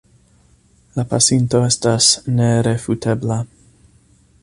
La pasinto estas nerefutebla.